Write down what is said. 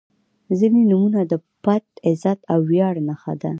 • ځینې نومونه د پت، عزت او ویاړ نښه ده.